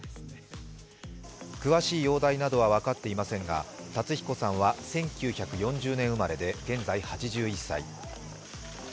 詳しい容体などは分かっていませんが、辰彦さんは１９４０年生まれで、現在８１歳。